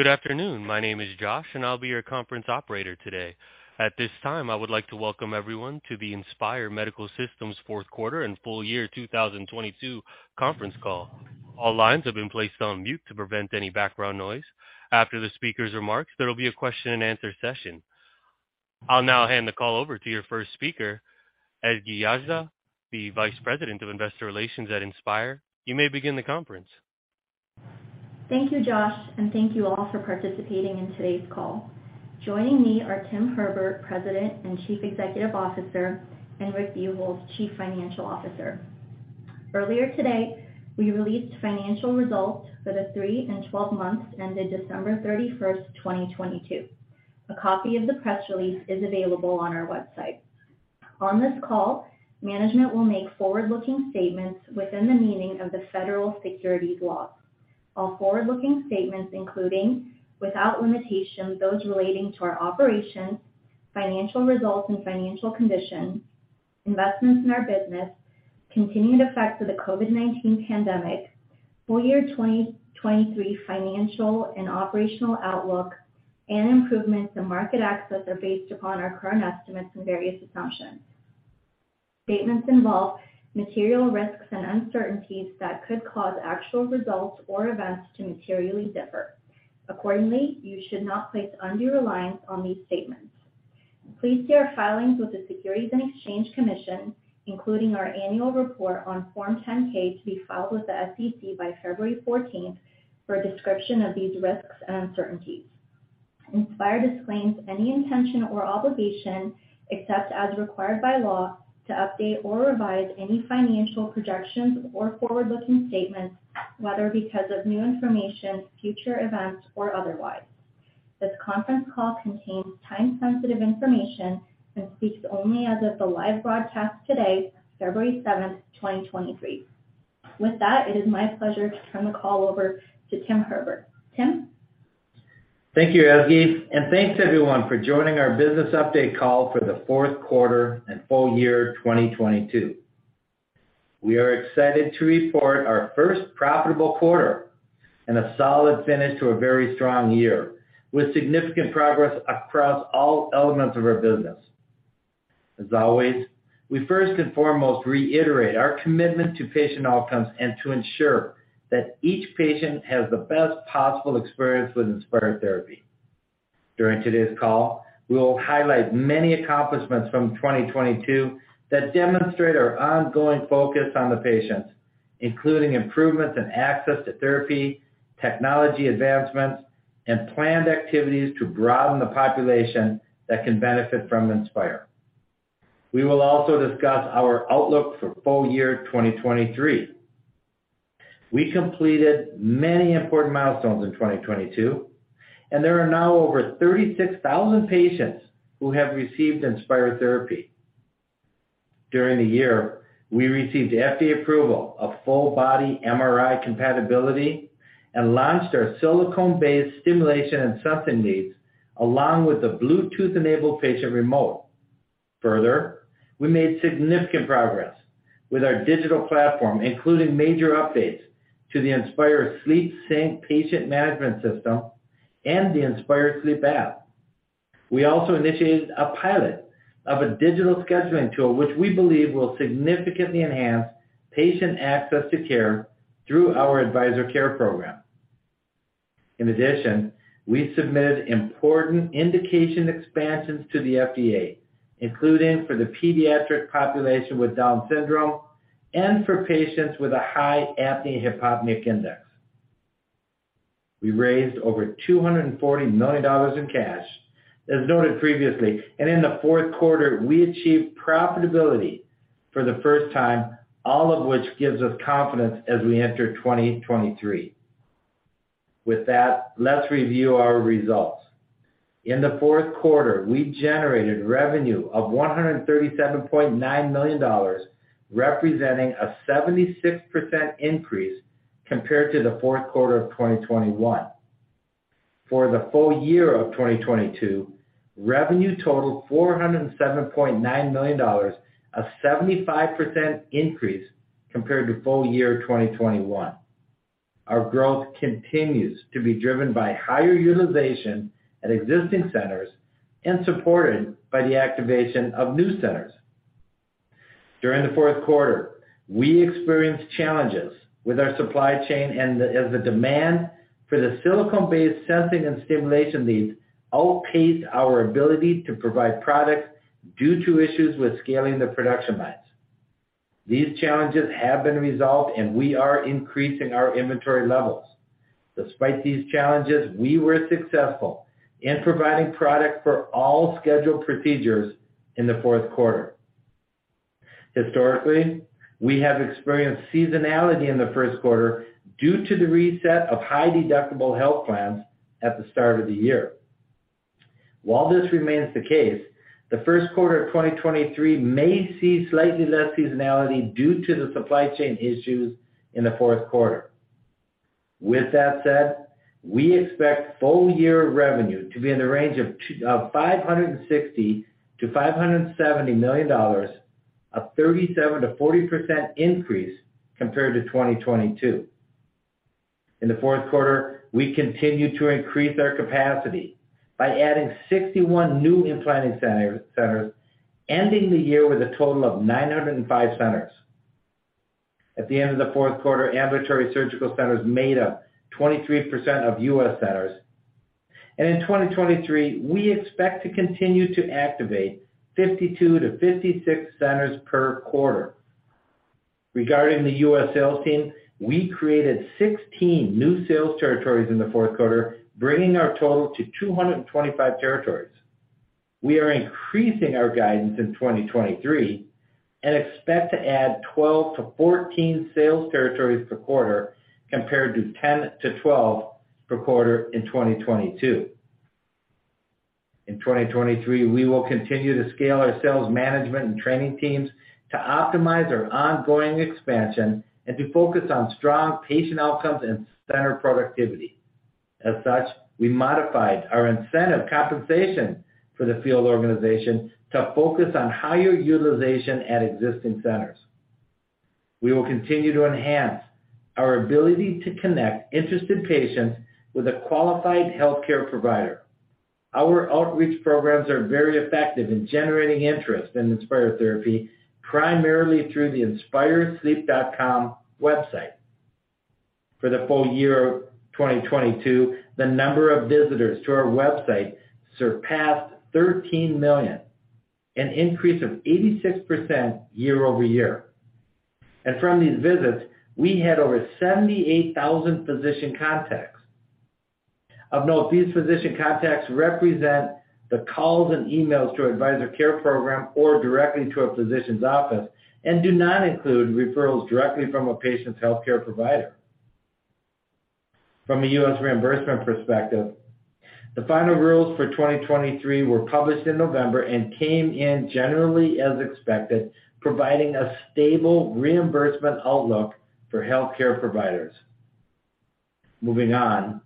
Good afternoon. My name is Josh, and I'll be your conference operator today. At this time, I would like to welcome everyone to the Inspire Medical Systems Q4 and full year 2022 conference call. All lines have been placed on mute to prevent any background noise. After the speaker's remarks, there will be a question-and-answer session. I'll now hand the call over to your first speaker, Ezgi Yagci, the vice president of investor relations at Inspire. You may begin the conference. Thank you, Josh. Thank you all for participating in today's call. Joining me are Tim Herbert, President and Chief Executive Officer, and Rick Buchholz, Chief Financial Officer. Earlier today, we released financial results for the three and 12 months ended December 31, 2022. A copy of the press release is available on our website. On this call, management will make forward-looking statements within the meaning of the federal securities laws. All forward-looking statements, including, without limitation, those relating to our operations, financial results and financial condition, investments in our business, continued effects of the COVID-19 pandemic, full year 2023 financial and operational outlook and improvements in market access, are based upon our current estimates and various assumptions. Statements involve material risks and uncertainties that could cause actual results or events to materially differ. Accordingly, you should not place undue reliance on these statements. Please see our filings with the Securities and Exchange Commission, including our annual report on Form 10-K, to be filed with the SEC by February 14th for a description of these risks and uncertainties. Inspire disclaims any intention or obligation, except as required by law, to update or revise any financial projections or forward-looking statements, whether because of new information, future events, or otherwise. This conference call contains time-sensitive information and speaks only as of the live broadcast today, February 7th, 2023. With that, it is my pleasure to turn the call over to Tim Herbert. Tim. Thank you, Ezgi. Thanks, everyone, for joining our business update call for the Q4 and full year 2022. We are excited to report our first profitable quarter and a solid finish to a very strong year, with significant progress across all elements of our business. As always, we first and foremost reiterate our commitment to patient outcomes and to ensure that each patient has the best possible experience with Inspire therapy. During today's call, we will highlight many accomplishments from 2022 that demonstrate our ongoing focus on the patients, including improvements in access to therapy, technology advancements, and planned activities to broaden the population that can benefit from Inspire. We will also discuss our outlook for full year 2023. We completed many important milestones in 2022. There are now over 36,000 patients who have received Inspire therapy. During the year, we received FDA approval of full-body MRI compatibility and launched our silicone-based stimulation and sensing leads, along with the Bluetooth-enabled patient remote. We made significant progress with our digital platform, including major updates to the Inspire SleepSync patient management system and the Inspire Sleep app. We also initiated a pilot of a digital scheduling tool, which we believe will significantly enhance patient access to care through our Advisor Care Program. We submitted important indication expansions to the FDA, including for the pediatric population with Down syndrome and for patients with a high apnea-hypopnea index. We raised over $240 million in cash, as noted previously, and in the Q4 we achieved profitability for the first time, all of which gives us confidence as we enter 2023. Let's review our results. In the Q4, we generated revenue of $137.9 million, representing a 76% increase compared to the Q4 of 2021. For the full year of 2022, revenue totaled $407.9 million, a 75% increase compared to full year 2021. Our growth continues to be driven by higher utilization at existing centers and supported by the activation of new centers. During the Q4, we experienced challenges with our supply chain as the demand for the silicone-based sensing and stimulation leads outpaced our ability to provide product due to issues with scaling the production lines. These challenges have been resolved, and we are increasing our inventory levels. Despite these challenges, we were successful in providing product for all scheduled procedures in the Q4. Historically, we have experienced seasonality in the Q1 due to the reset of high-deductible health plans at the start of the year. While this remains the case, the Q1 of 2023 may see slightly less seasonality due to the supply chain issues in the Q4. we expect full year revenue to be in the range of $560 million-$570 million, a 37%-40% increase compared to 2022. In the Q4, we continued to increase our capacity by adding 61 new implant centers, ending the year with a total of 905 centers. At the end of the Q4, ambulatory surgical centers made up 23% of U.S. centers. In 2023, we expect to continue to activate 52-56 centers per quarter. Regarding the U.S. sales team, we created 16 new sales territories in the Q4, bringing our total to 225 territories. We are increasing our guidance in 2023 and expect to add 12-14 sales territories per quarter compared to 10-12 per quarter in 2022. In 2023, we will continue to scale our sales management and training teams to optimize our ongoing expansion and to focus on strong patient outcomes and center productivity. We modified our incentive compensation for the field organization to focus on higher utilization at existing centers. We will continue to enhance our ability to connect interested patients with a qualified healthcare provider. Our outreach programs are very effective in generating interest in Inspire therapy, primarily through the inspiresleep.com website. For the full year of 2022, the number of visitors to our website surpassed 13 million, an increase of 86% year-over-year. From these visits, we had over 78,000 physician contacts. Of note, these physician contacts represent the calls and emails to Advisor Care Program or directly to a physician's office and do not include referrals directly from a patient's healthcare provider. From a U.S. reimbursement perspective, the final rules for 2023 were published in November and came in generally as expected, providing a stable reimbursement outlook for healthcare providers. Moving on,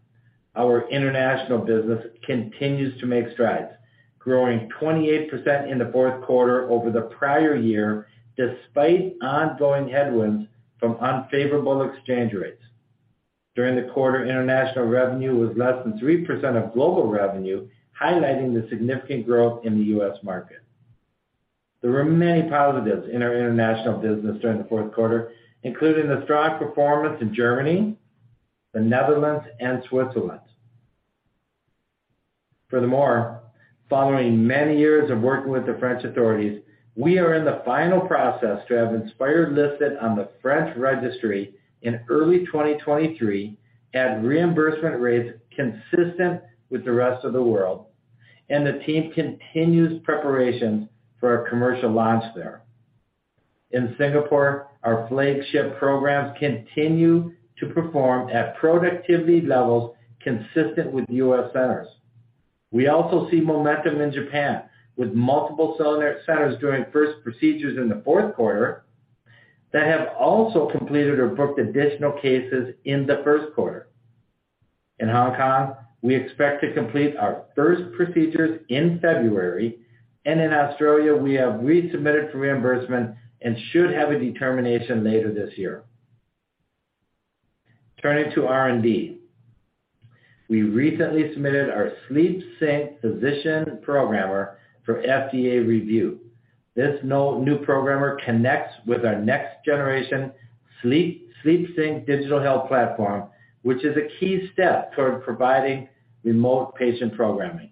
our international business continues to make strides, growing 28% in the Q4 over the prior year, despite ongoing headwinds from unfavorable exchange rates. During the quarter, international revenue was less than 3% of global revenue, highlighting the significant growth in the U.S. market. There were many positives in our international business during the Q4, including the strong performance in Germany, the Netherlands, and Switzerland. Following many years of working with the French authorities, we are in the final process to have Inspire listed on the French registry in early 2023 at reimbursement rates consistent with the rest of the world, and the team continues preparations for a commercial launch there. In Singapore, our flagship programs continue to perform at productivity levels consistent with U.S. centers. We also see momentum in Japan, with multiple centers doing first procedures in the Q4 that have also completed or booked additional cases in the Q1. In Hong Kong, we expect to complete our first procedures in February, and in Australia, we have resubmitted for reimbursement and should have a determination later this year. Turning to R&D. We recently submitted our SleepSync physician programmer for FDA review. This new programmer connects with our next-generation SleepSync digital health platform, which is a key step toward providing remote patient programming.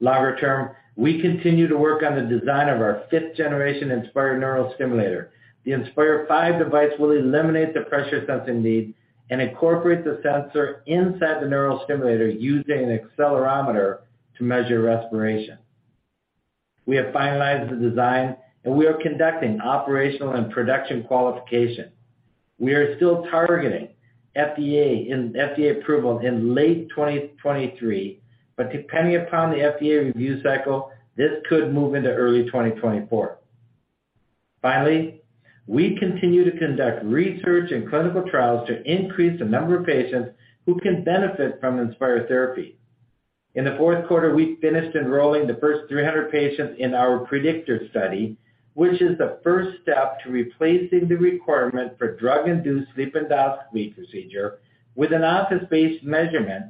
Longer term, we continue to work on the design of our fifth-generation Inspire neurostimulator. The Inspire 5 device will eliminate the pressure sensing need and incorporate the sensor inside the neurostimulator using an accelerometer to measure respiration. We have finalized the design and we are conducting operational and production qualification. We are still targeting FDA approval in late 2023, but depending upon the FDA review cycle, this could move into early 2024. Finally, we continue to conduct research and clinical trials to increase the number of patients who can benefit from Inspire therapy. In the Q4, we finished enrolling the first 300 patients in our PREDICTOR study, which is the first step to replacing the requirement for drug-induced sleep endoscopy procedure with an office-based measurement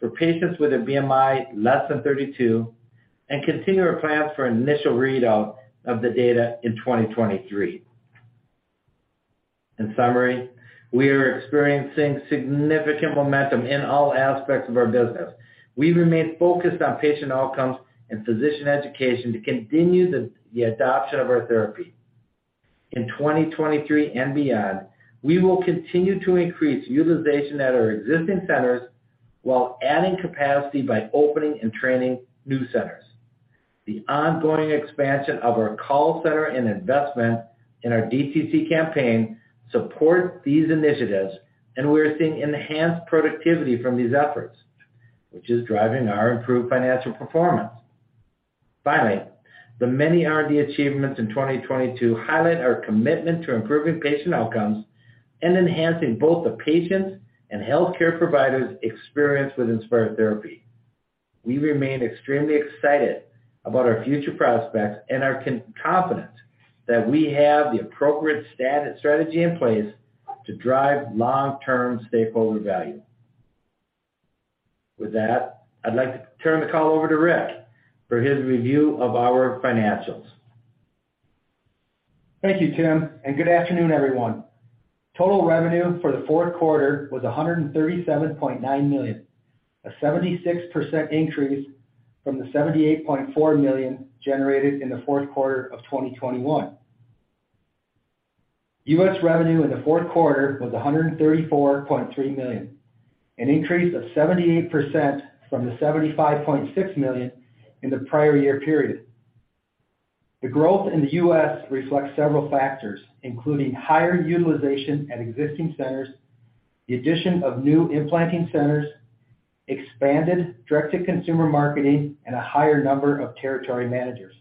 for patients with a BMI less than 32 and continue our plans for initial readout of the data in 2023. In summary, we are experiencing significant momentum in all aspects of our business. We remain focused on patient outcomes and physician education to continue the adoption of our therapy. In 2023 and beyond, we will continue to increase utilization at our existing centers while adding capacity by opening and training new centers. The ongoing expansion of our call center and investment in our DTC campaign support these initiatives, and we are seeing enhanced productivity from these efforts, which is driving our improved financial performance. Finally, the many R&D achievements in 2022 highlight our commitment to improving patient outcomes and enhancing both the patients' and healthcare providers' experience with Inspire therapy. We remain extremely excited about our future prospects and are confidence that we have the appropriate strategy in place to drive long-term stakeholder value. With that, I'd like to turn the call over to Rick for his review of our financials. Thank you, Tim. Good afternoon, everyone. Total revenue for the Q4 was $137.9 million, a 76% increase from the $78.4 million generated in the Q4 of 2021. U.S. revenue in the Q4 was $134.3 million, an increase of 78% from the $75.6 million in the prior year period. The growth in the U.S. reflects several factors, including higher utilization at existing centers, the addition of new implanting centers, expanded direct-to-consumer marketing, and a higher number of territory managers.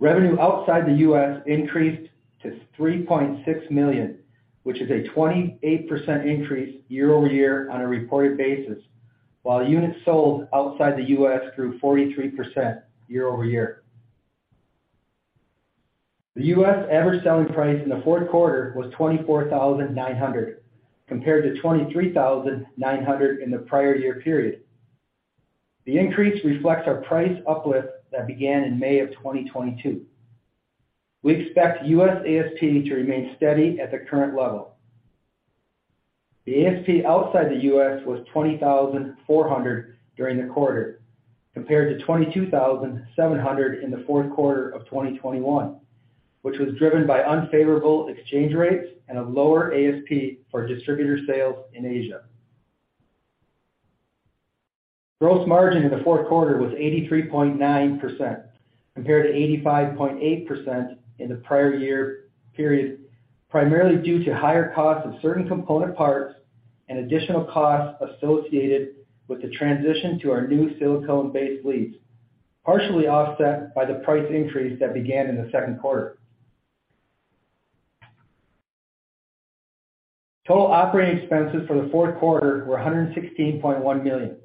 Revenue outside the U.S. increased to $3.6 million, which is a 28% increase year-over-year on a reported basis, while units sold outside the U.S. grew 43% year-over-year. The U.S. average selling price in the Q4 was $24,900 compared to $23,900 in the prior-year period. The increase reflects our price uplift that began in May of 2022. We expect U.S. ASP to remain steady at the current level. The ASP outside the U.S. was $20,400 during the quarter, compared to $22,700 in the Q4 of 2021, which was driven by unfavorable exchange rates and a lower ASP for distributor sales in Asia. Gross margin in the Q4 was 83.9% compared to 85.8% in the prior-year period, primarily due to higher costs of certain component parts and additional costs associated with the transition to our new silicone-based leads, partially offset by the price increase that began in the Q2. Total operating expenses for the Q4 were $116.1 million,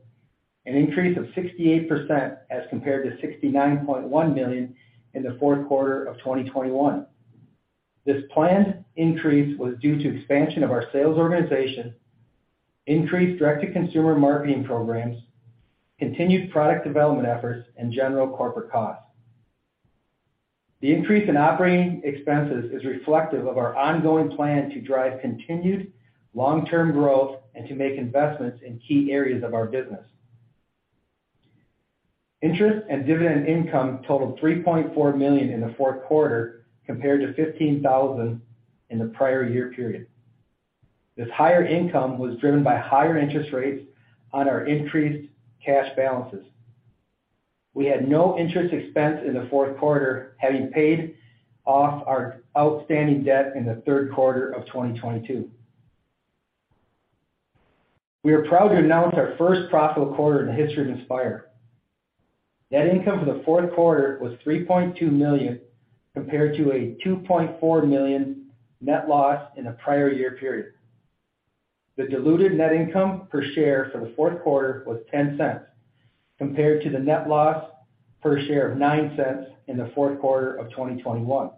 an increase of 68% as compared to $69.1 million in the Q4 of 2021. This planned increase was due to expansion of our sales organization, increased direct-to-consumer marketing programs, continued product development efforts, and general corporate costs. The increase in operating expenses is reflective of our ongoing plan to drive continued long-term growth and to make investments in key areas of our business. Interest and dividend income totaled $3.4 million in the Q4 compared to $15,000 in the prior year period. This higher income was driven by higher interest rates on our increased cash balances. We had no interest expense in the Q4, having paid off our outstanding debt in the Q3 of 2022. We are proud to announce our first profitable quarter in the history of Inspire. Net income for the Q4 was $3.2 million, compared to a $2.4 million net loss in the prior year period. The diluted net income per share for the Q4 was $0.10, compared to the net loss per share of $0.09 in the Q4 of 2021.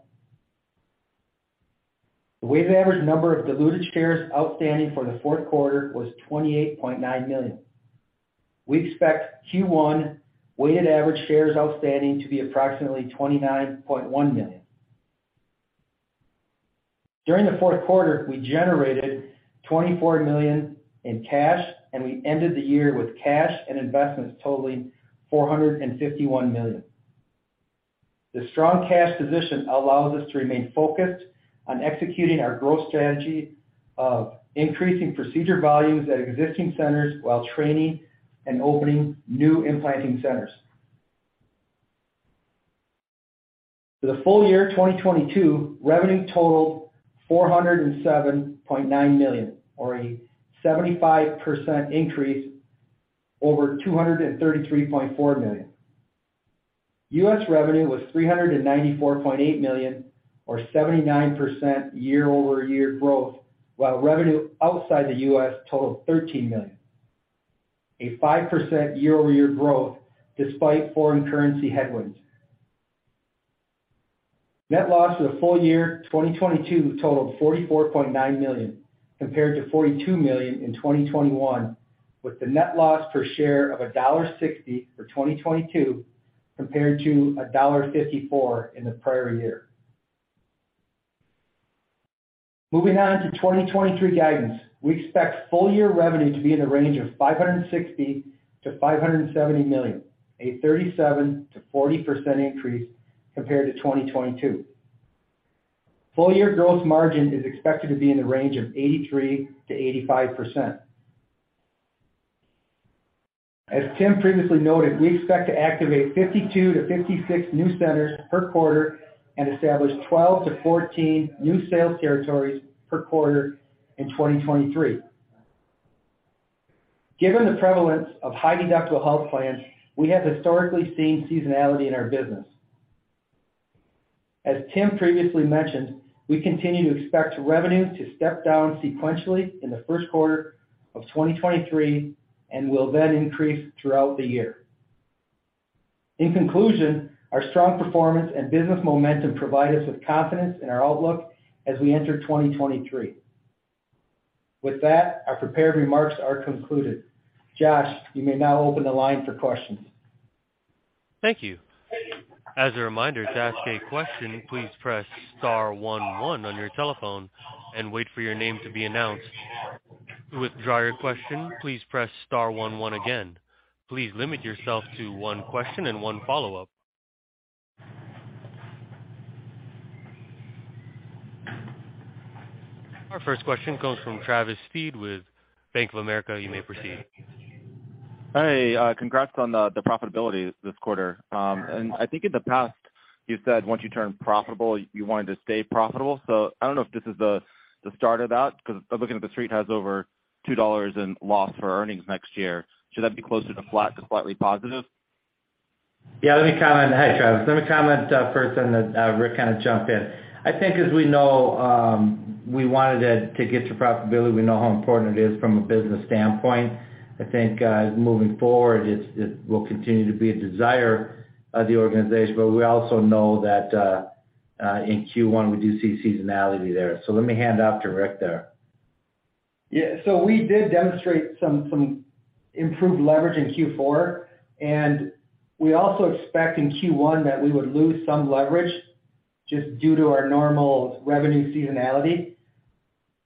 The weighted average number of diluted shares outstanding for the Q4 was 28.9 million. We expect Q1 weighted average shares outstanding to be approximately 29.1 million. During the Q4, we generated $24 million in cash. We ended the year with cash and investments totaling $451 million. The strong cash position allows us to remain focused on executing our growth strategy of increasing procedure volumes at existing centers while training and opening new implanting centers. For the full year 2022, revenue totaled $407.9 million, or a 75% increase over $233.4 million. US revenue was $394.8 million or 79% year-over-year growth, while revenue outside the US totaled $13 million, a 5% year-over-year growth despite foreign currency headwinds. Net loss for the full year 2022 totaled $44.9 million, compared to $42 million in 2021, with the net loss per share of $1.60 for 2022 compared to $1.54 in the prior year. Moving on to 2023 guidance. We expect full year revenue to be in the range of $560 million-$570 million, a 37%-40% increase compared to 2022. Full year growth margin is expected to be in the range of 83%-85%. As Tim previously noted, we expect to activate 52-56 new centers per quarter and establish 12-14 new sales territories per quarter in 2023. Given the prevalence of high deductible health plans, we have historically seen seasonality in our business. As Tim previously mentioned, we continue to expect revenue to step down sequentially in the Q1 of 2023 and will then increase throughout the year. In conclusion, our strong performance and business momentum provide us with confidence in our outlook as we enter 2023. Josh, you may now open the line for questions. Thank you. As a reminder, to ask a question, please press star one one on your telephone and wait for your name to be announced. To withdraw your question, please press star one one again. Please limit yourself to one question and one follow-up. Our first question comes from Travis Steed with Bank of America. You may proceed. Hey, congrats on the profitability this quarter. I think in the past, you said once you turn profitable you wanted to stay profitable. I don't know if this is the start of that, 'cause I'm looking at The Street has over $2 in loss for earnings next year. Should that be closer to flat to slightly positive? Yeah. Let me comment. Hi, Travis. Let me comment, first, then, Rick kinda jump in. I think as we know, we wanted to get to profitability. We know how important it is from a business standpoint. I think, moving forward, it will continue to be a desire of the organization, but we also know that in Q1, we do see seasonality there. Let me hand off to Rick there. We did demonstrate some improved leverage in Q4, and we also expect in Q1 that we would lose some leverage just due to our normal revenue seasonality.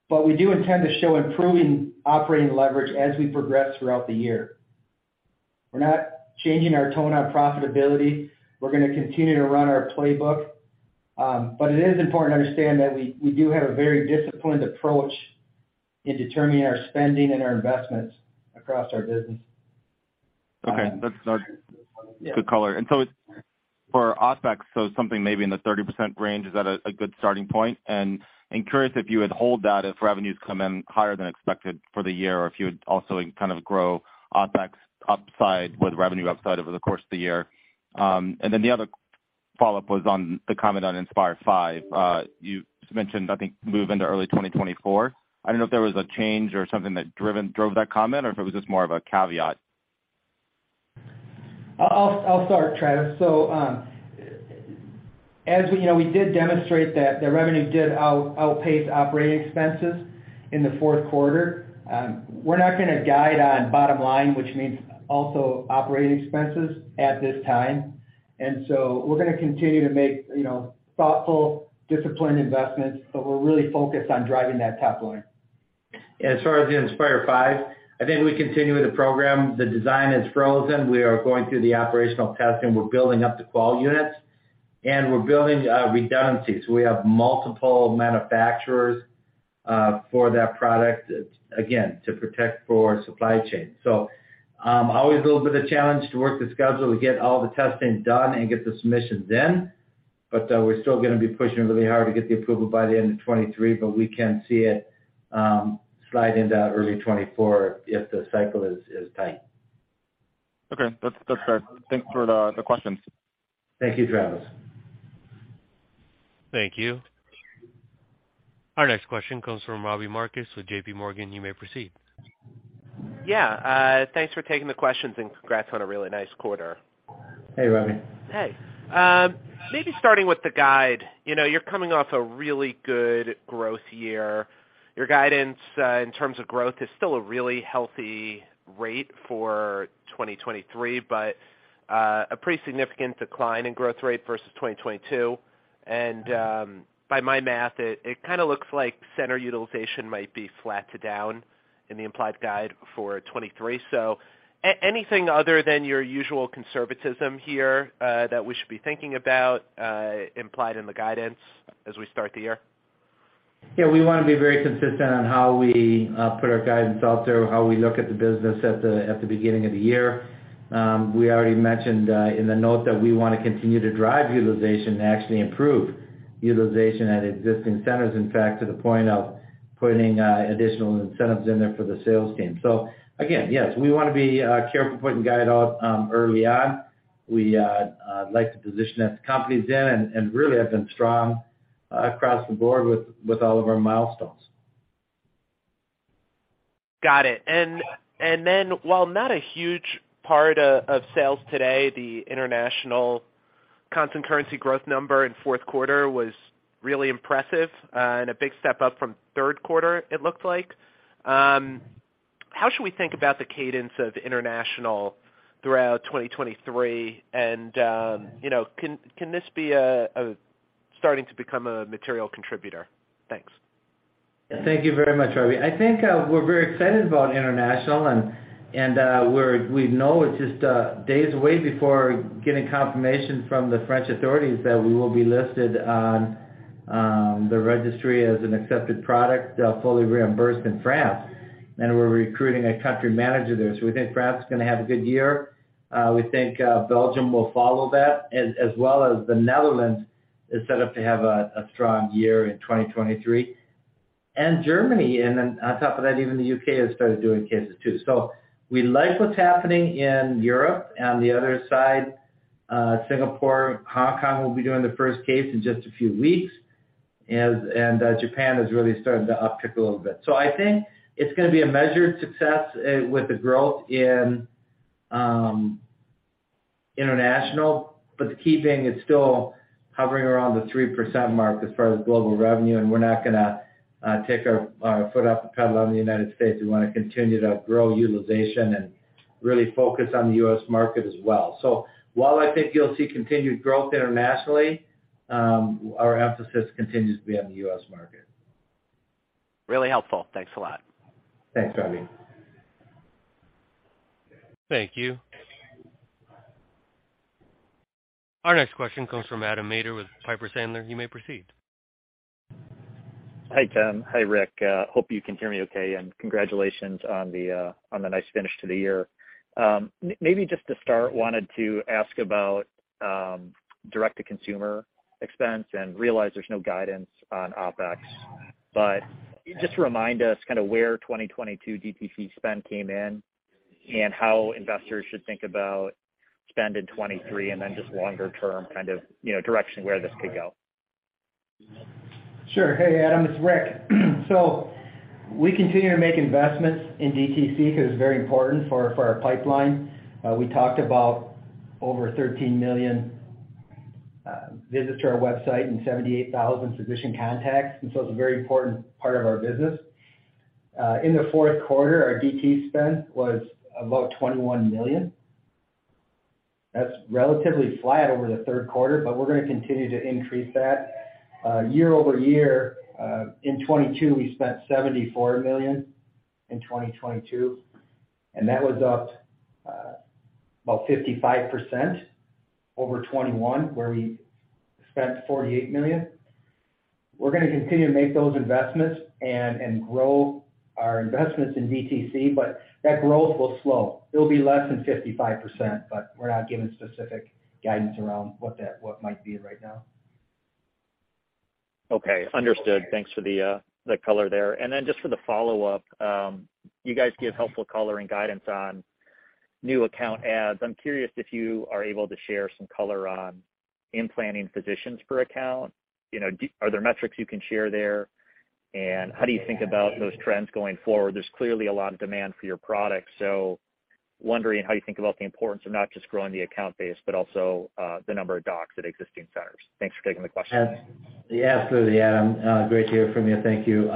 We do intend to show improving operating leverage as we progress throughout the year. We're not changing our tone on profitability. We're gonna continue to run our playbook. It is important to understand that we do have a very disciplined approach in determining our spending and our investments across our business. Okay. Yeah. Good color. For OpEx, something maybe in the 30% range, is that a good starting point? I'm curious if you would hold that if revenues come in higher than expected for the year, or if you would also kind of grow OpEx upside with revenue upside over the course of the year. The other follow-up was on the comment on Inspire 5. You just mentioned, I think, move into early 2024. I don't know if there was a change or something that drove that comment, or if it was just more of a caveat. I'll start, Travis. As we, you know, we did demonstrate that the revenue did outpace operating expenses in the Q4. We're not gonna guide on bottom line, which means also operating expenses at this time. We're gonna continue to make, you know, thoughtful, disciplined investments, but we're really focused on driving that top line. As far as the Inspire 5, I think we continue with the program. The design is frozen. We are going through the operational testing. We're building up the qual units, and we're building redundancies. We have multiple manufacturers for that product, again, to protect for supply chain. Always a little bit of a challenge to work the schedule to get all the testing done and get the submission in, but we're still gonna be pushing really hard to get the approval by the end of 2023, but we can see it slide into early 2024 if the cycle is tight. Okay. That's fair. Thanks for the questions. Thank you, Travis. Thank you. Our next question comes from Robbie Marcus with JPMorgan. You may proceed. Yeah. Thanks for taking the questions, and congrats on a really nice quarter. Hey, Robbie. Hey. Maybe starting with the guide. You know, you're coming off a really good growth year. Your guidance, in terms of growth is still a really healthy rate for 2023, but a pretty significant decline in growth rate versus 2022. By my math, it kinda looks like center utilization might be flat to down in the implied guide for 23. Anything other than your usual conservatism here, that we should be thinking about, implied in the guidance as we start the year? Yeah, we wanna be very consistent on how we put our guidance out there, how we look at the business at the beginning of the year. We already mentioned in the note that we wanna continue to drive utilization to actually improve utilization at existing centers, in fact, to the point of putting additional incentives in there for the sales team. Again, yes, we wanna be careful putting guide out early on. We like to position as the company's in and really have been strong across the board with all of our milestones. Got it. While not a huge part of sales today, the international constant currency growth number in Q4 was really impressive, and a big step up from Q3, it looked like. How should we think about the cadence of international throughout 2023? You know, can this be starting to become a material contributor? Thanks. Thank you very much, Robbie. I think we're very excited about international and we know it's just days away before getting confirmation from the French authorities that we will be listed on the registry as an accepted product, fully reimbursed in France. We're recruiting a country manager there. We think France is gonna have a good year. We think Belgium will follow that, as well as the Netherlands is set up to have a strong year in 2023. Germany, on top of that, even the UK has started doing cases too. We like what's happening in Europe. On the other side, Singapore, Hong Kong will be doing the first case in just a few weeks, Japan has really started to uptick a little bit. I think it's gonna be a measured success, with the growth in international, but the key thing is still hovering around the 3% mark as far as global revenue. We're not gonna take our foot off the pedal on the United States. We wanna continue to grow utilization and really focus on the US market as well. While I think you'll see continued growth internationally, our emphasis continues to be on the US market. Really helpful. Thanks a lot. Thanks, Robbie. Thank you. Our next question comes from Adam Maeder with Piper Sandler. You may proceed. Hi, Tim. Hi, Rick. Hope you can hear me okay. Congratulations on the nice finish to the year. Maybe just to start, wanted to ask about direct-to-consumer expense. Realize there's no guidance on OpEx. Just remind us kinda where 2022 DTC spend came in and how investors should think about spend in 2023. Then just longer term kind of, you know, direction where this could go. Hey, Adam, it's Rick. We continue to make investments in DTC because it's very important for our pipeline. We talked about over 13 million visits to our website and 78,000 physician contacts. It's a very important part of our business. In the Q4, our DTC spend was about $21 million. That's relatively flat over the Q3, we're gonna continue to increase that. Year-over-year, in 2022 we spent $74 million, that was up about 55% over 2021, where we spent $48 million. We're gonna continue to make those investments and grow our investments in DTC, that growth will slow. It'll be less than 55%, we're not giving specific guidance around what might be right now. Okay. Understood. Thanks for the color there. Just for the follow-up, you guys give helpful color and guidance on new account adds. I'm curious if you are able to share some color on implanting physicians per account. You know, are there metrics you can share there, and how do you think about those trends going forward? There's clearly a lot of demand for your product, so wondering how you think about the importance of not just growing the account base, but also the number of docs at existing centers. Thanks for taking the question. Absolutely, Adam. Great to hear from you. Thank you.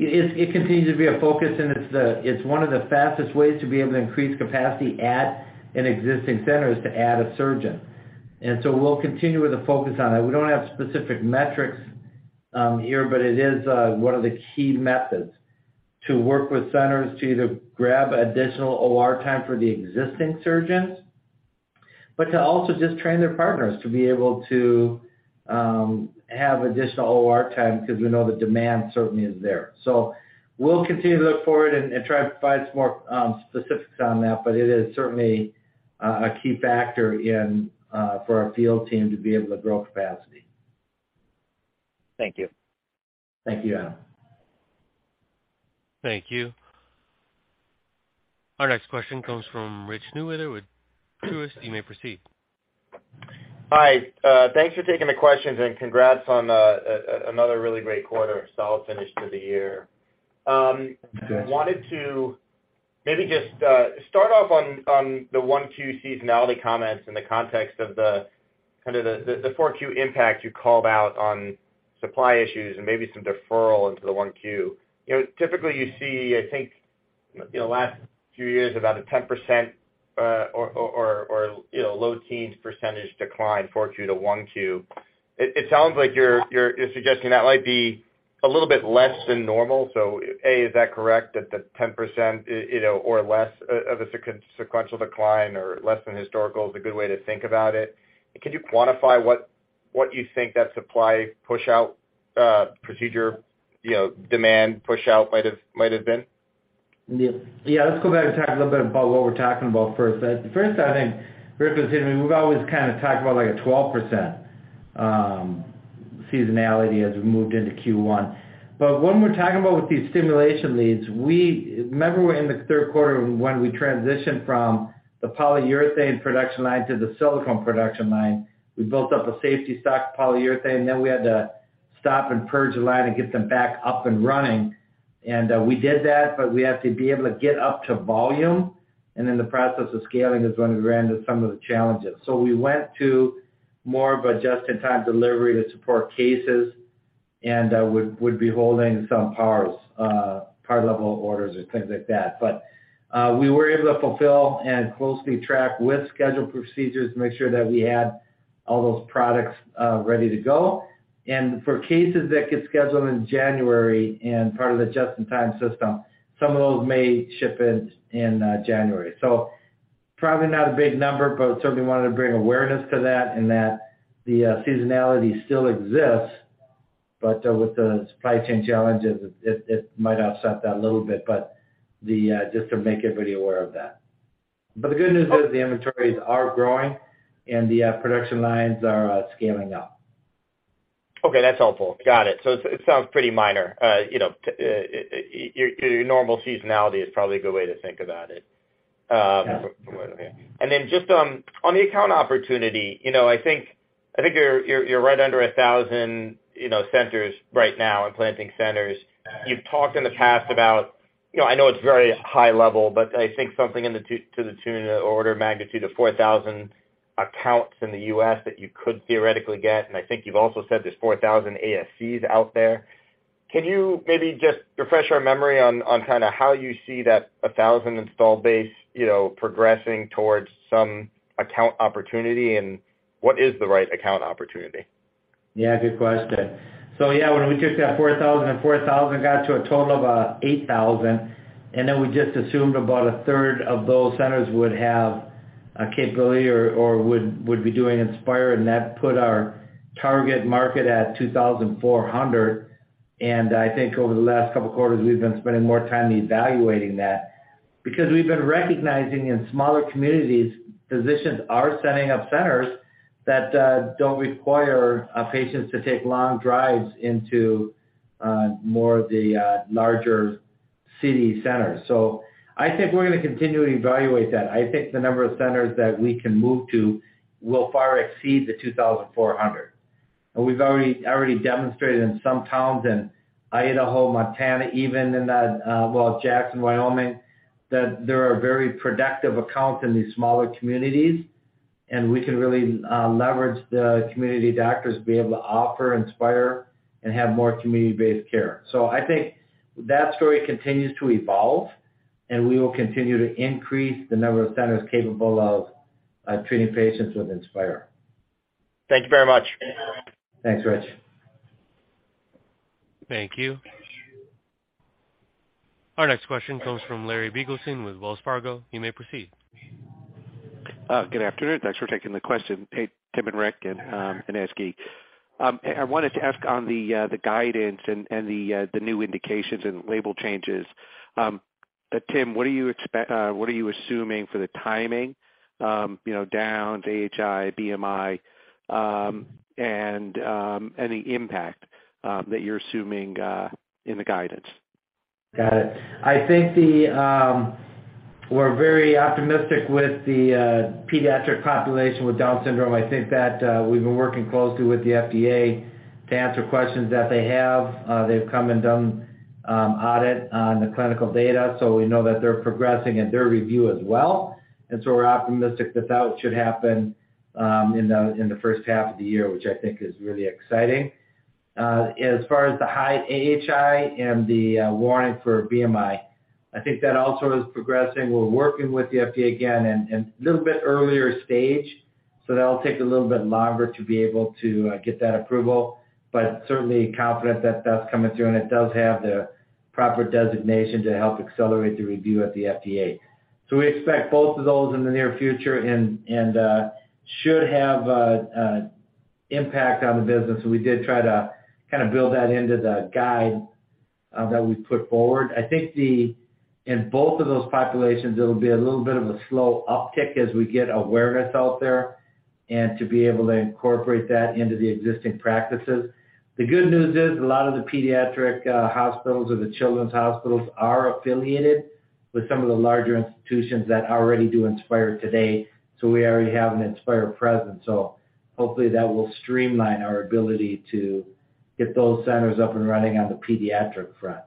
It continues to be a focus, and it's one of the fastest ways to be able to increase capacity at an existing center is to add a surgeon. We'll continue with a focus on it. We don't have specific metrics here, but it is one of the key methods to work with centers to either grab additional OR time for the existing surgeons, but to also just train their partners to be able to have additional OR time because we know the demand certainly is there. We'll continue to look forward and try to provide some more specifics on that, but it is certainly a key factor in for our field team to be able to grow capacity. Thank you. Thank you, Adam. Thank you. Our next question comes from Rich Newitter with Truist. You may proceed. Hi. Thanks for taking the questions, and congrats on another really great quarter, solid finish to the year. Thanks. wanted to maybe just, start off on the one two seasonality comments in the context of the, kind of the 4Q impact you called out on supply issues and maybe some deferral into the 1Q. You know, typically you see, I think, you know, last few years, about a 10%, or, or, you know, low teens % decline 4Q to 1Q. It sounds like you're suggesting that might be a little bit less than normal. Is that correct, at the 10%, you know, or less of a sequential decline or less than historical is a good way to think about it? And could you quantify what you think that supply push out, procedure, you know, demand push out might have, might have been? Yeah. Yeah. Let's go back and talk a little bit about what we're talking about first. First, I think Rick was hitting, we've always kinda talked about like a 12% seasonality as we moved into Q1. When we're talking about with these stimulation leads, Remember we're in the Q3 when we transitioned from the polyurethane production line to the silicone production line, we built up a safety stock polyurethane, then we had to stop and purge the line and get them back up and running. We did that, but we have to be able to get up to volume, and then the process of scaling is when we ran into some of the challenges. We went to more of a just-in-time delivery to support cases and would be holding some powers, part level orders or things like that. We were able to fulfill and closely track with scheduled procedures to make sure that we had all those products ready to go. For cases that get scheduled in January and part of the just-in-time system, some of those may ship in January. Probably not a big number, but certainly wanted to bring awareness to that in that the seasonality still exists, but with the supply chain challenges, it might offset that a little bit. Just to make everybody aware of that. The good news is the inventories are growing and the production lines are scaling up. Okay, that's helpful. Got it. It sounds pretty minor. You know, your normal seasonality is probably a good way to think about it. Yeah. Then just on the account opportunity, you know, I think, I think you're right under 1,000, you know, centers right now in planting centers. You've talked in the past about, you know, I know it's very high level, but I think something to the tune order of magnitude of 4,000 accounts in the U.S. that you could theoretically get, and I think you've also said there's 4,000 ASCs out there. Can you maybe just refresh our memory on kind of how you see that 1,000 installed base, you know, progressing towards some account opportunity? What is the right account opportunity? Yeah, good question. When we took that 4,000 and 4,000, got to a total of 8,000, we just assumed about a third of those centers would have a capability or would be doing Inspire, and that put our target market at 2,400. Over the last couple of quarters, we've been spending more time evaluating that. We've been recognizing in smaller communities, physicians are setting up centers that don't require patients to take long drives into more of the larger city centers. We're gonna continue to evaluate that. I think the number of centers that we can move to will far exceed the 2,400. We've already demonstrated in some towns in Idaho, Montana, even in that well, Jackson, Wyoming, that there are very productive accounts in these smaller communities, and we can really leverage the community doctors to be able to offer Inspire and have more community-based care. I think that story continues to evolve, and we will continue to increase the number of centers capable of treating patients with Inspire. Thank you very much. Thanks, Rich. Thank you. Our next question comes from Larry Biegelsen with Wells Fargo. You may proceed. Good afternoon. Thanks for taking the question. Hey, Tim and Rick and Ezgi. I wanted to ask on the guidance and the new indications and label changes. Tim, what are you assuming for the timing, you know, down to AHI, BMI, and any impact that you're assuming in the guidance? Got it. I think the, we're very optimistic with the pediatric population with Down syndrome. I think that, we've been working closely with the FDA to answer questions that they have. They've come and done audit on the clinical data, so we know that they're progressing in their review as well. We're optimistic that that should happen in the first half of the year, which I think is really exciting. As far as the high AHI and the warning for BMI, I think that also is progressing. We're working with the FDA again and a little bit earlier stage, so that'll take a little bit longer to be able to get that approval, but certainly confident that that's coming through, and it does have the proper designation to help accelerate the review at the FDA. We expect both of those in the near future and should have a impact on the business. We did try to kind of build that into the guide that we put forward. I think in both of those populations, it'll be a little bit of a slow uptick as we get awareness out there and to be able to incorporate that into the existing practices. The good news is, a lot of the pediatric hospitals or the children's hospitals are affiliated with some of the larger institutions that already do Inspire today. We already have an Inspire presence. Hopefully that will streamline our ability to get those centers up and running on the pediatric front.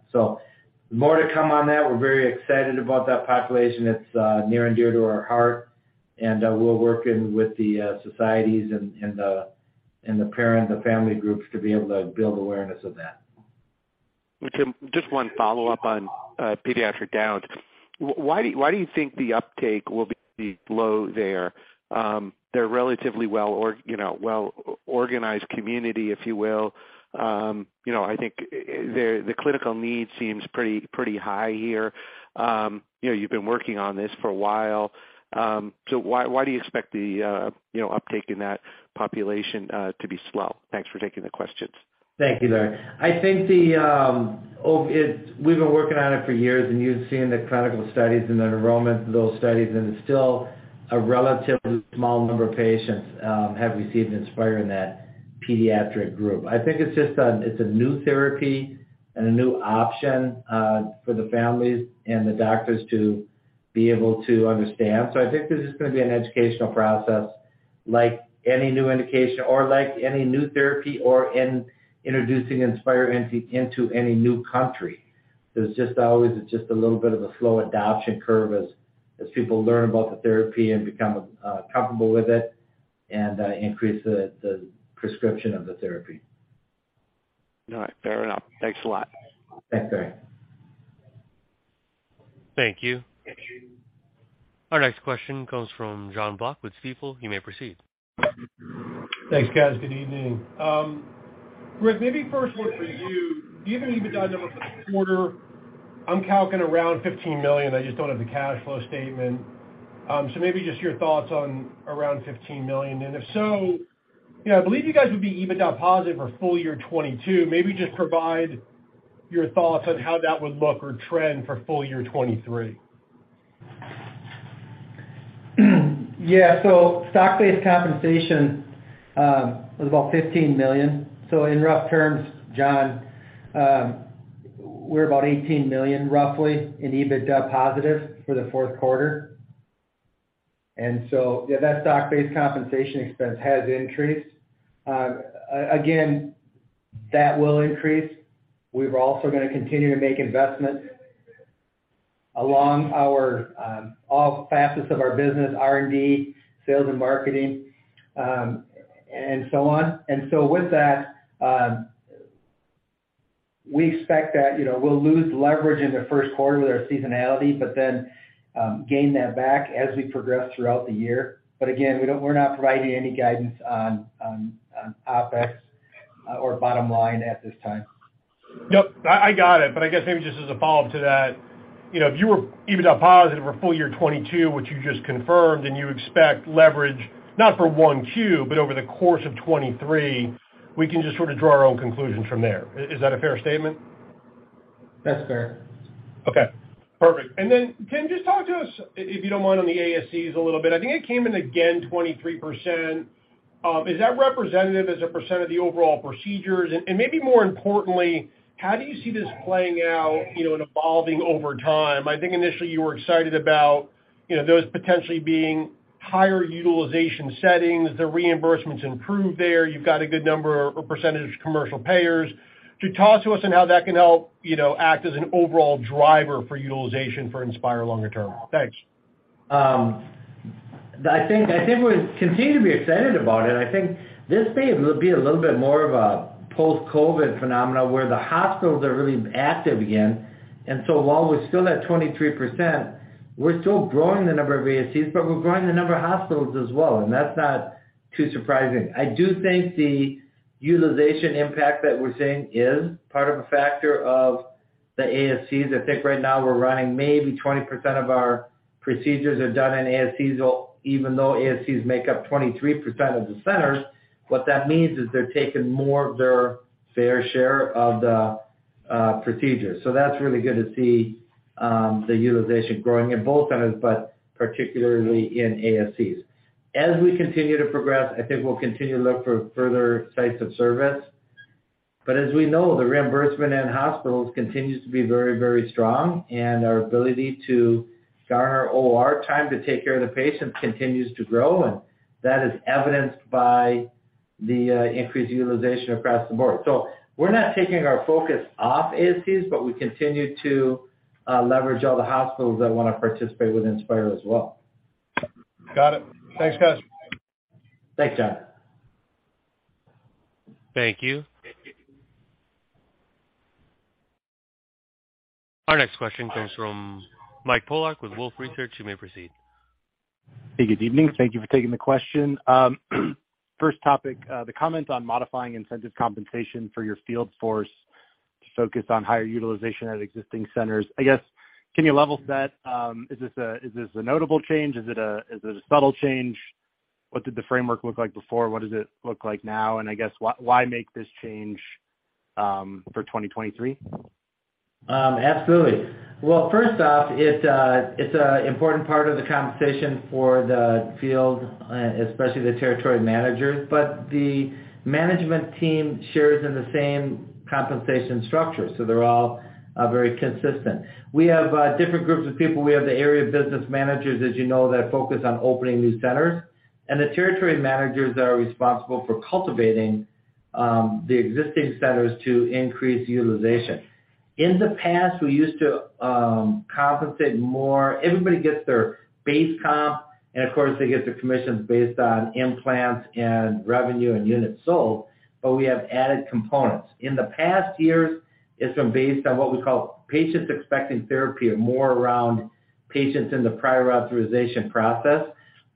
More to come on that. We're very excited about that population. It's near and dear to our heart, and we're working with the societies and the, and the parent, the family groups to be able to build awareness of that. Tim, just one follow-up on pediatric Down's. Why do you think the uptake will be low there? They're relatively well, you know, well organized community, if you will. You know, I think the clinical need seems pretty high here. You know, you've been working on this for a while. Why do you expect the, you know, uptake in that population to be slow? Thanks for taking the questions. Thank you, Larry. I think the we've been working on it for years, and you've seen the clinical studies and the enrollment of those studies, and it's still a relatively small number of patients have received Inspire in that pediatric group. I think it's just a, it's a new therapy and a new option for the families and the doctors to be able to understand. I think this is gonna be an educational process like any new indication or like any new therapy or in introducing Inspire into any new country. There's just always just a little bit of a slow adoption curve as people learn about the therapy and become comfortable with it and increase the prescription of the therapy. All right, fair enough. Thanks a lot. Thanks, Larry. Thank you. Our next question comes from Jon Block with Stifel. You may proceed. Thanks, guys. Good evening. Rick, maybe first one for you. Given the EBITDA number for the quarter, I'm calcing around $15 million. I just don't have the cash flow statement. Maybe just your thoughts on around $15 million. If so, you know, I believe you guys would be EBITDA positive for full year 2022. Maybe just provide your thoughts on how that would look or trend for full year 2023. Yeah. Stock-based compensation was about $15 million. In rough terms, Jon, we're about $18 million roughly in EBITDA positive for the Q4. Yeah, that stock-based compensation expense has increased. Again, that will increase. We're also gonna continue to make investments along our all facets of our business R&D, sales and marketing, and so on. With that, we expect that, you know, we'll lose leverage in the Q1 with our seasonality, but then gain that back as we progress throughout the year. Again, we're not providing any guidance on OpEx or bottom line at this time. Yep. I got it. I guess maybe just as a follow-up to that, you know, if you were EBITDA positive for full year 2022, which you just confirmed, and you expect leverage, not for 1Q, but over the course of 2023, we can just sort of draw our own conclusions from there. Is that a fair statement? That's fair. Okay. Perfect. Then can you just talk to us, if you don't mind, on the ASCs a little bit? I think it came in again, 23%. Is that representative as a % of the overall procedures? Maybe more importantly, how do you see this playing out, you know, and evolving over time? I think initially you were excited about, you know, those potentially being higher utilization settings, the reimbursements improved there. You've got a good number or percentage of commercial payers. Could you talk to us on how that can help, you know, act as an overall driver for utilization for Inspire longer term? Thanks. I think we continue to be excited about it. I think this may be a little bit more of a post-COVID-19 phenomena where the hospitals are really active again. While we're still at 23%, we're still growing the number of ASCs, but we're growing the number of hospitals as well, and that's not too surprising. I do think the utilization impact that we're seeing is part of a factor of the ASCs. I think right now we're running maybe 20% of our procedures are done in ASCs, even though ASCs make up 23% of the centers. What that means is they're taking more of their fair share of the procedures. That's really good to see the utilization growing in both centers, but particularly in ASCs. As we continue to progress, I think we'll continue to look for further sites of service. As we know, the reimbursement in hospitals continues to be very, very strong, and our ability to garner OR time to take care of the patients continues to grow, and that is evidenced by the increased utilization across the board. We're not taking our focus off ASCs, but we continue to leverage all the hospitals that wanna participate with Inspire as well. Got it. Thanks, guys. Thanks, Jon. Thank you. Our next question comes from Mike Polark with Wolfe Research. You may proceed. Hey, good evening. Thank you for taking the question. First topic, the comments on modifying incentive compensation for your field force to focus on higher utilization at existing centers. I guess, can you level set, is this a notable change? Is it a subtle change? What did the framework look like before? What does it look like now? I guess why make this change for 2023? Absolutely. Well, first off, it's an important part of the compensation for the field, especially the territory managers. The management team shares in the same compensation structure, so they're all very consistent. We have different groups of people. We have the area business managers, as you know, that focus on opening new centers, and the territory managers that are responsible for cultivating the existing centers to increase utilization. In the past, we used to compensate more. Everybody gets their base comp, and of course, they get their commissions based on implants and revenue and units sold, but we have added components. In the past years, it's been based on what we call patients expecting therapy or more around patients in the prior authorization process.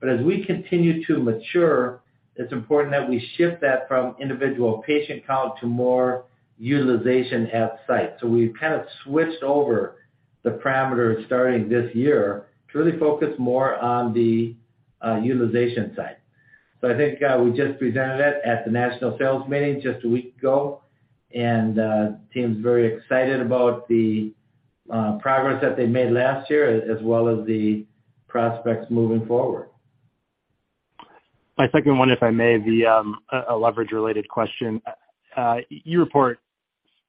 As we continue to mature, it's important that we shift that from individual patient count to more utilization at site. We've kind of switched over the parameters starting this year to really focus more on the utilization site. I think we just presented it at the national sales meeting just a week ago, and the team's very excited about the progress that they made last year as well as the prospects moving forward. My second one, if I may, be a leverage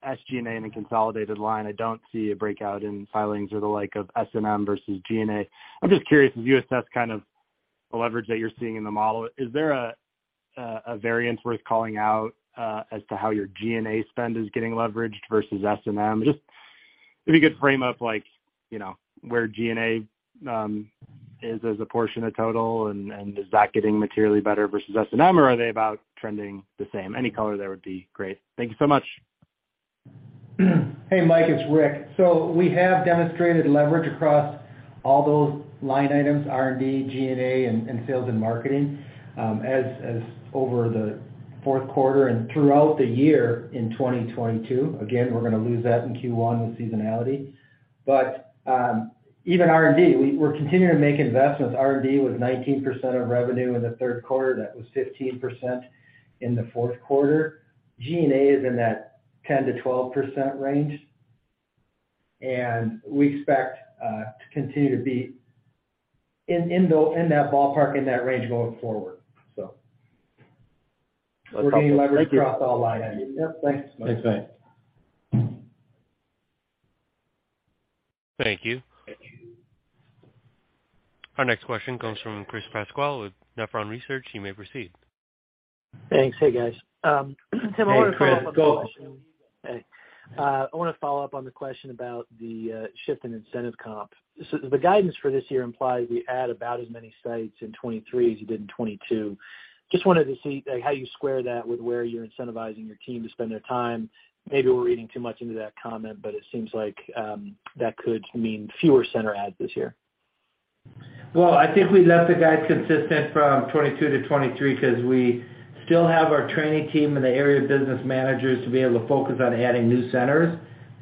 related question. You report SG&A in a consolidated line. I don't see a breakout in filings or the like of S&M versus G&A. I'm just curious, as you assess kind of the leverage that you're seeing in the model, is there a variance worth calling out as to how your G&A spend is getting leveraged versus S&M? Just if you could frame up like, you know, where G&A is as a portion of total and is that getting materially better versus S&M or are they about trending the same? Any color there would be great. Thank you so much. Hey, Mike, it's Rick. We have demonstrated leverage across all those line items, R&D, G&A, and sales and marketing, as over the Q4 and throughout the year in 2022. Again, we're gonna lose that in Q1 with seasonality. Even R&D, we're continuing to make investments. R&D was 19% of revenue in the Q3, that was 15% in the Q4. G&A is in that 10%-12% range. We expect to continue to be in that ballpark, in that range going forward. That's helpful. Thank you. We're getting leverage across all line items. Yep. Thanks. Thanks, Mike. Thanks, Mike. Thank you. Our next question comes from Chris Pasquale with Nephron Research. You may proceed. Thanks. Hey, guys. Tim, I wanna follow up on the question- Hey, Chris. Go. Hey. I wanna follow up on the question about the shift in incentive comp. The guidance for this year implies we add about as many sites in 23 as you did in 22. Just wanted to see, like, how you square that with where you're incentivizing your team to spend their time. Maybe we're reading too much into that comment, but it seems like that could mean fewer center adds this year. Well, I think we left the guide consistent from 22 to 23 because we still have our training team and the area business managers to be able to focus on adding new centers,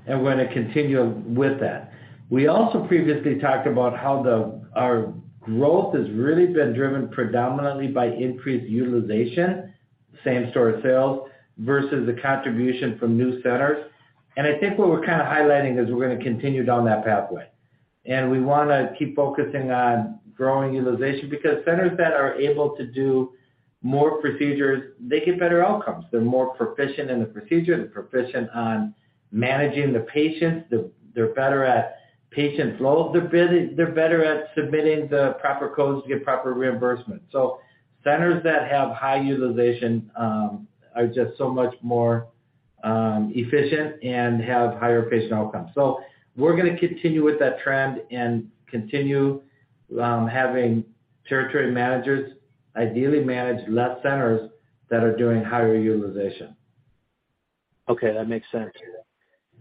and we're gonna continue with that. We also previously talked about how our growth has really been driven predominantly by increased utilization, same store sales versus the contribution from new centers. I think what we're kind of highlighting is we're gonna continue down that pathway. We wanna keep focusing on growing utilization because centers that are able to do more procedures, they get better outcomes. They're more proficient in the procedure. They're proficient on managing the patients. They're better at patient flow. They're better at submitting the proper codes to get proper reimbursement. Centers that have high utilization are just so much more efficient and have higher patient outcomes. We're gonna continue with that trend and continue having territory managers ideally manage less centers that are doing higher utilization. Okay, that makes sense.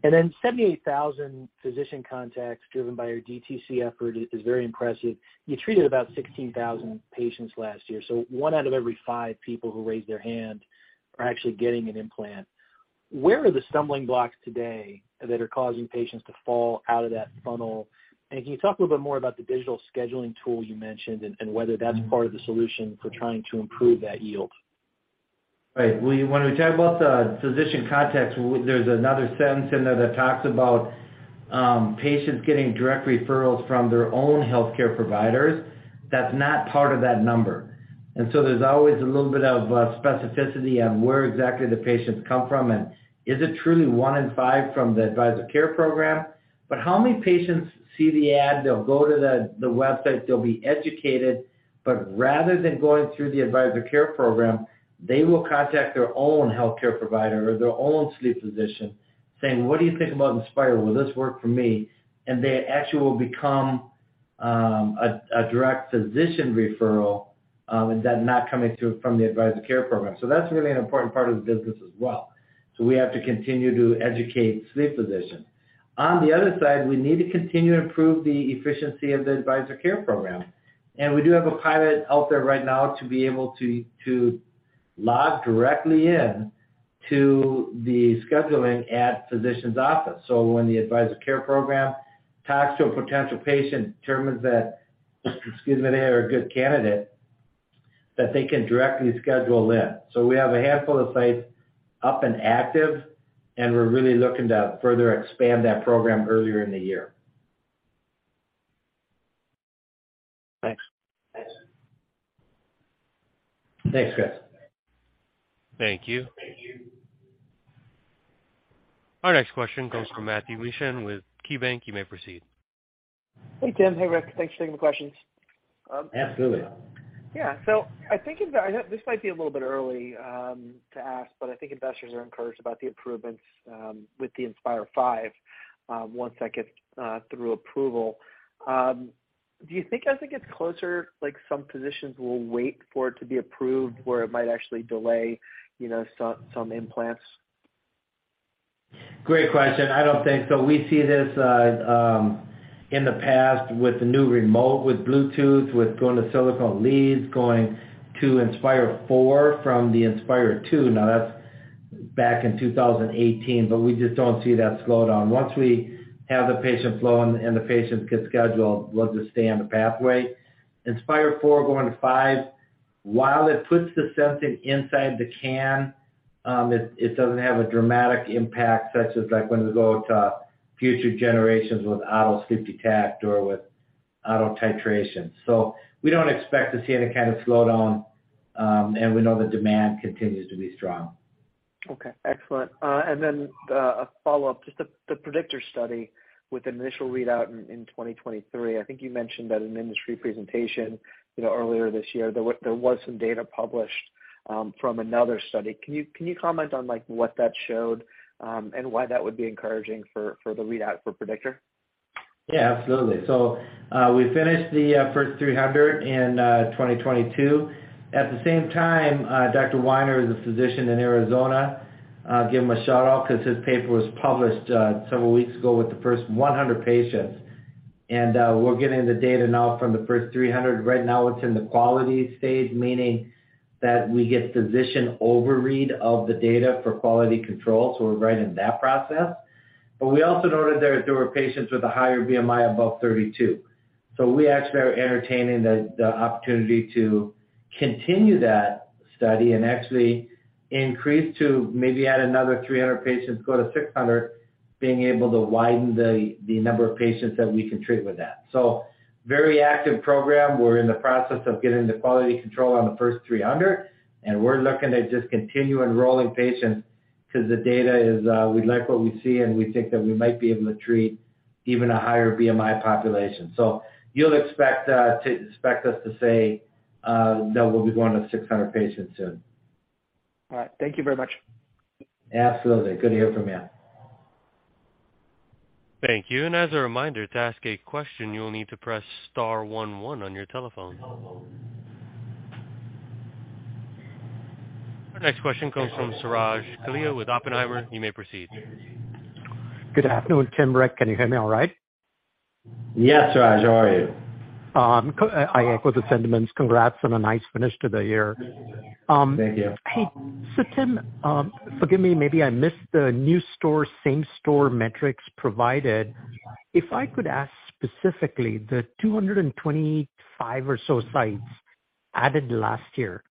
78,000 physician contacts driven by your DTC effort is very impressive. You treated about 16,000 patients last year, one out of every five people who raised their hand are actually getting an implant. Where are the stumbling blocks today that are causing patients to fall out of that funnel? Can you talk a little bit more about the digital scheduling tool you mentioned and whether that's part of the solution for trying to improve that yield? Right. When we talk about the physician contacts, there's another sentence in there that talks about patients getting direct referrals from their own healthcare providers. That's not part of that number. There's always a little bit of specificity on where exactly the patients come from, and is it truly one in five from the Advisor Care Program? How many patients see the ad, they'll go to the website, they'll be educated, but rather than going through the Advisor Care Program, they will contact their own healthcare provider or their own sleep physician saying, "What do you think about Inspire? Will this work for me?" They actually will become a direct physician referral, not coming through from the Advisor Care Program. That's really an important part of the business as well. We have to continue to educate sleep physicians. On the other side, we need to continue to improve the efficiency of the Advisor Care Program. We do have a pilot out there right now to be able to log directly in to the scheduling at physician's office. When the Advisor Care Program talks to a potential patient, determines that, excuse me, they are a good candidate, that they can directly schedule in. We have a handful of sites up and active, and we're really looking to further expand that program earlier in the year. Thanks. Thanks. Thanks, Chris. Thank you. Our next question comes from Matthew Mishan with KeyBanc. You may proceed. Hey, Tim. Hey, Rick. Thanks for taking the questions. Absolutely. Yeah. I think I know this might be a little bit early to ask, but I think investors are encouraged about the improvements with the Inspire 5 once that gets through approval. Do you think as it gets closer, like, some physicians will wait for it to be approved, where it might actually delay, you know, some implants? Great question. I don't think so. We see this in the past with the new remote, with Bluetooth, with going to silicone leads, going to Inspire IV from the Inspire II. Now, that's back in 2018, but we just don't see that slowdown. Once we have the patient flow and the patients get scheduled, we'll just stay on the pathway. Inspire IV going to 5, while it puts the sensing inside the can, it doesn't have a dramatic impact, such as like when we go to future generations with auto CPAP or with auto titration. We don't expect to see any kind of slowdown, and we know the demand continues to be strong. Okay. Excellent. A follow-up, just the PREDICTOR study with an initial readout in 2023. I think you mentioned at an industry presentation, you know, earlier this year there was some data published from another study. Can you, can you comment on, like, what that showed, and why that would be encouraging for the readout for PREDICTOR? Yeah, absolutely. We finished the first 300 in 2022. At the same time, Dr. Weiner is a physician in Arizona. I'll give him a shout-out 'cause his paper was published several weeks ago with the first 100 patients. We're getting the data now from the first 300. Right now it's in the quality stage, meaning that we get physician overread of the data for quality control. We're right in that process. We also noted that there were patients with a higher BMI above 32. We actually are entertaining the opportunity to continue that study and actually increase to maybe add another 300 patients, go to 600, being able to widen the number of patients that we can treat with that. Very active program. We're in the process of getting the quality control on the first 300. We're looking to just continue enrolling patients because the data is, we like what we see, and we think that we might be able to treat even a higher BMI population. You'll expect us to say that we'll be going to 600 patients soon. All right. Thank you very much. Absolutely. Good to hear from you. Thank you. As a reminder, to ask a question, you will need to press star one one on your telephone. Our next question comes from Suraj Kalia with Oppenheimer. You may proceed. Good afternoon, Tim, Rick. Can you hear me all right? Yes, Suraj. How are you? I echo the sentiments. Congrats on a nice finish to the year. Thank you. Tim, forgive me, maybe I missed the new store, same store metrics provided. If I could ask specifically the 225 or so sites added last year,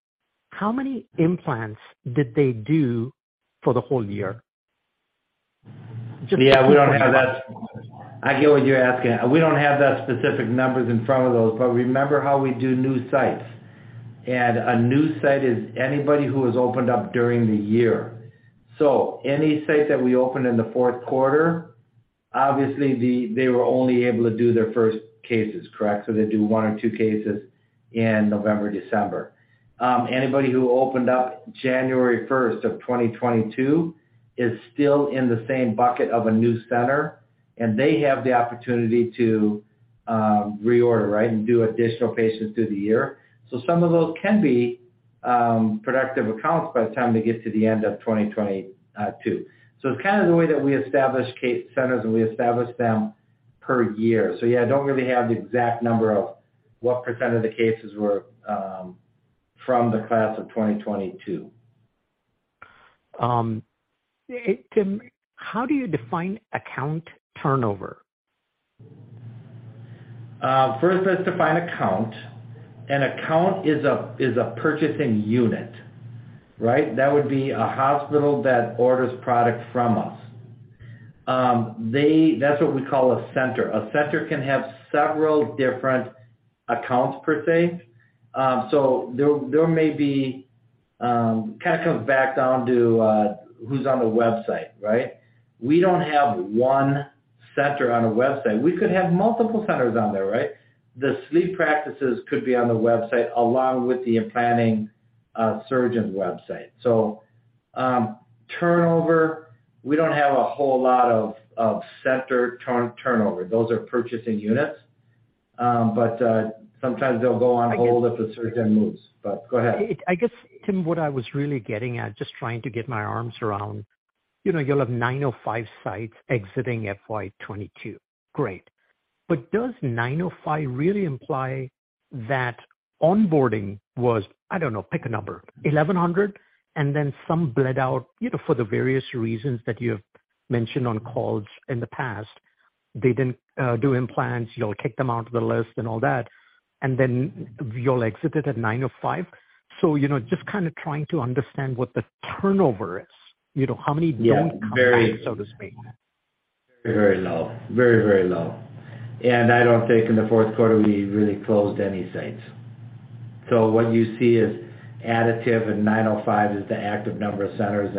how many implants did they do for the whole year? Yeah, we don't have that. I get what you're asking. We don't have that specific numbers in front of those. Remember how we do new sites, and a new site is anybody who has opened up during the year. Any site that we opened in the Q4, obviously they were only able to do their first cases, correct? They do one or two cases in November, December. Anybody who opened up January first of 2022 is still in the same bucket of a new center, and they have the opportunity to reorder, right? Do additional patients through the year. Some of those can be productive accounts by the time they get to the end of 2022. It's kind of the way that we establish case centers, and we establish them per year. Yeah, I don't really have the exact number of what % of the cases were, from the class of 2022. Hey Tim, how do you define account turnover? First, let's define account. An account is a purchasing unit, right? That would be a hospital that orders product from us. That's what we call a center. A center can have several different accounts per se. There, there may be, kind of comes back down to, who's on the website, right? We don't have one center on a website. We could have multiple centers on there, right? The sleep practices could be on the website along with the implanting surgeon's website. Turnover, we don't have a whole lot of center turnover. Those are purchasing units. Sometimes they'll go on hold if a surgeon moves. Go ahead. I guess, Tim, what I was really getting at, just trying to get my arms around, you know, you'll have 905 sites exiting FY 2022. Great. Does 905 really imply that onboarding was, I don't know, pick a number, 1,100, and then some bled out, you know, for the various reasons that you've mentioned on calls in the past. They didn't do implants, you know, kick them out the list and all that, and then you'll exit it at 905. You know, just kind of trying to understand what the turnover is, you know, how many don't come back, so to speak. Very low. Very, very low. I don't think in the Q4 we really closed any sites. What you see is additive and 905 is the active number of centers.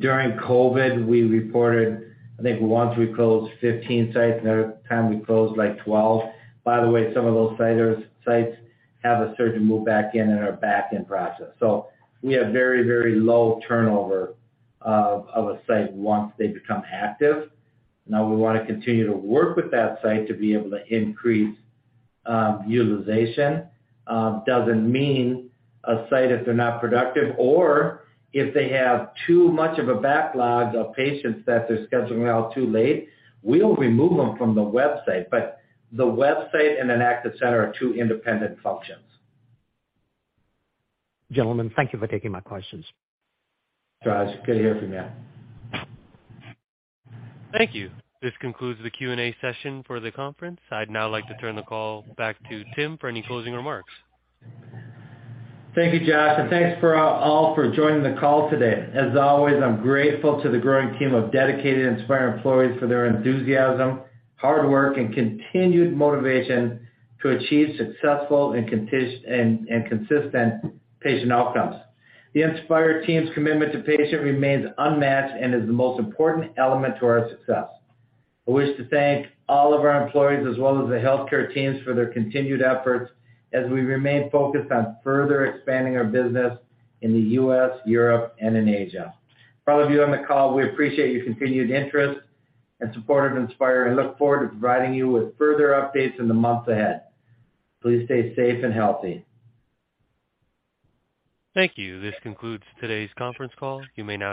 During COVID, we reported, I think once we closed 15 sites, another time we closed like 12. By the way, some of those sites have a surgeon move back in and are back in process. We have very, very low turnover of a site once they become active. Now we wanna continue to work with that site to be able to increase utilization. Doesn't mean a site if they're not productive or if they have too much of a backlog of patients that they're scheduling out too late, we'll remove them from the website. The website and an active center are two independent functions. Gentlemen, thank you for taking my questions. Suraj, good to hear from you. Thank you. This concludes the Q&A session for the conference. I'd now like to turn the call back to Tim for any closing remarks. Thank you, Josh, thanks for all for joining the call today. As always, I'm grateful to the growing team of dedicated Inspire employees for their enthusiasm, hard work, and continued consistent patient outcomes. The Inspire team's commitment to patient remains unmatched and is the most important element to our success. I wish to thank all of our employees as well as the healthcare teams for their continued efforts as we remain focused on further expanding our business in the U.S., Europe, and in Asia. For all of you on the call, we appreciate your continued interest and support of Inspire and look forward to providing you with further updates in the months ahead. Please stay safe and healthy. Thank you. This concludes today's conference call. You may now disconnect.